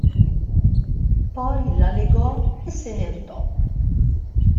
Poi la legò e se ne andò.